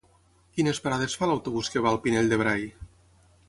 Quines parades fa l'autobús que va al Pinell de Brai?